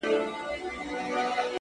o بدل کړيدی،